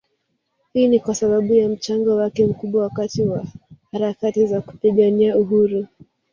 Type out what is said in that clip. Hii ni kwasababu ya mchango wake mkubwa wakati wa harakati za kupigania uhuru